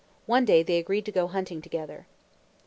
One day they agreed to go hunting together.